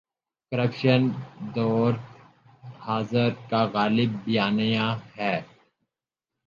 Corruption دور حاضر کا غالب بیانیہ ہے۔